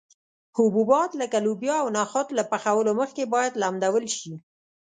حبوبات لکه لوبیا او نخود له پخولو مخکې باید لمدول شي.